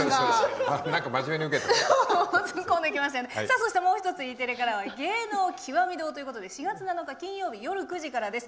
そしてもう１つＥテレから「芸能きわみ堂」ということで４月７日夜９時からです。